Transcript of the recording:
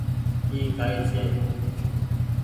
اي ڪائي ڇي۔